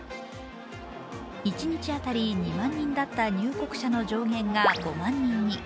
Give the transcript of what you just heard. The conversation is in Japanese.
一日当たり２万人だった入国者の上限が５万人に。